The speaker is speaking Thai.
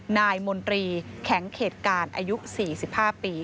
นายมนตรีแข็งเขตการอายุ๔๕ปี